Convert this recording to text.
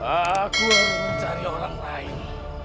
aku harus mencari orang lain